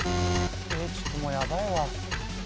ちょっともうヤバいわ。